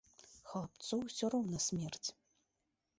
Хлапцу ўсё роўна смерць.